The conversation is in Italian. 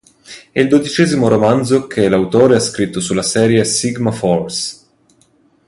È il dodicesimo romanzo che l'autore ha scritto della serie sulla Sigma Force.